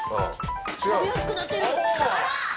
食べやすくなってる。